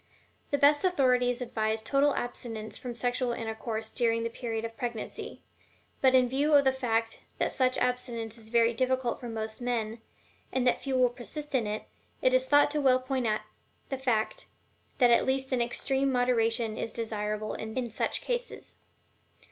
The best authorities advise total abstinence from sexual intercourse during the period of pregnancy; but in view of the fact that such abstinence is very difficult for most men, and that few will persist in it, it is thought well to point out the fact that at least an extreme moderation is desirable in such cases.